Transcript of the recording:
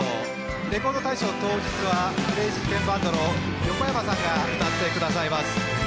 レコード大賞当日はクレイジーケンバンドの横山さんが歌ってくださいます。